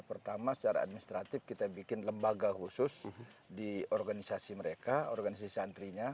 pertama secara administratif kita bikin lembaga khusus di organisasi mereka organisasi santrinya